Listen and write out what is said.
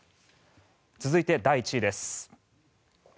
続いて、第１位です。